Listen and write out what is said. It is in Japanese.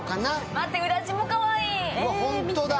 待って、裏地もかわいい。